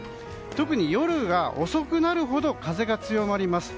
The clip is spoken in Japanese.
特に夜が遅くなるほど風が強まります。